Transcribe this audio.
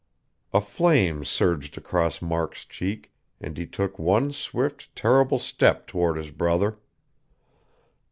A flame surged across Mark's cheek; and he took one swift, terrible step toward his brother.